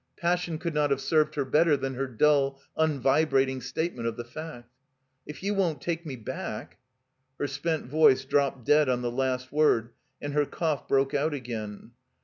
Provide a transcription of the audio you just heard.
Passion could not have served her better than her dull, unvibrating statement of the fact. *'If you won't take me back —" Her spent voice dropped dead on the last word and her cough broke out again.